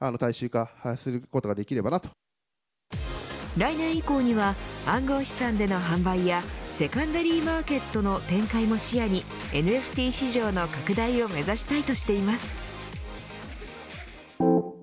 来年以降には暗号資産での販売やセカンダリーマーケットの展開も視野にＮＦＴ市場の拡大を目指したいとしています。